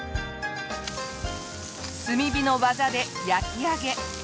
炭火の技で焼き上げ。